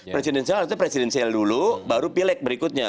presidensial artinya presidensial dulu baru pilek berikutnya